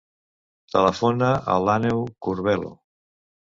Telefona a l'Àneu Curbelo.